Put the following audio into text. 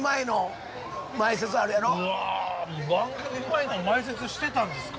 うわ番組前の前説してたんですか？